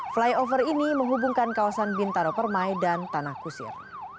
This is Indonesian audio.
flyover ini menghubungkan kawasan bintaro permai dan tanah kusir